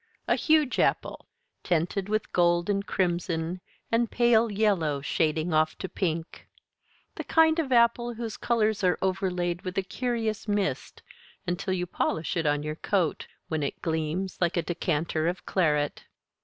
A huge apple, tinted with gold and crimson and pale yellow shading off to pink. The kind of apple whose colors are overlaid with a curious mist until you polish it on your coat, when it gleams like a decanter of claret.